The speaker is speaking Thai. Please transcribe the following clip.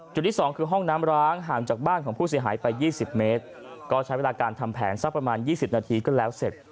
ที่สองคือห้องน้ำร้างห่างจากบ้านของผู้เสียหายไป๒๐เมตรก็ใช้เวลาการทำแผนสักประมาณ๒๐นาทีก็แล้วเสร็จ